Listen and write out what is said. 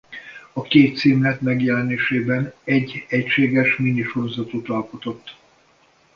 A két címlet megjelenésében egy egységes mini sorozatot alkotott.